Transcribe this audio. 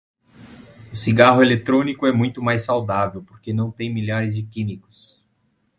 O cigarro eletrônico é muito mais saudável porque não tem milhares de químicos